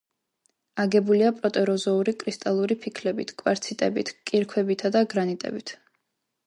აგებულია პროტეროზოური კრისტალური ფიქლებით, კვარციტებით, კირქვებითა და გრანიტებით.